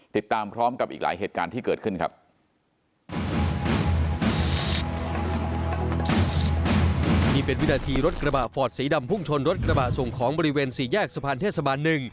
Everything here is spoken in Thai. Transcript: ติดตามพร้อมกับอีกหลายเหตุการณ์ที่เกิดขึ้นครับ